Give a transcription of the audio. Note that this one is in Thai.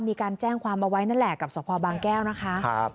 มีการแจ้งความเอาไว้นั่นแหละกับสพบางแก้วนะคะ